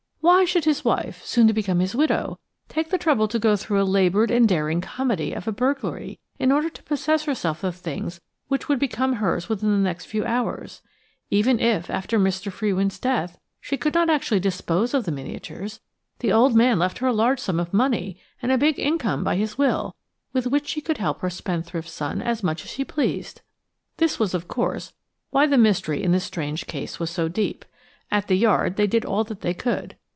"Why should his wife, soon to become his widow, take the trouble to go through a laboured and daring comedy of a burglary in order to possess herself of things which would become hers within the next few hours? Even if, after Mr. Frewin's death, she could not actually dispose of the miniatures, the old man left her a large sum of money and a big income by his will, with which she could help her spendthrift son as much as she pleased." This was, of course, why the mystery in this strange case was so deep. At the Yard they did all that they could.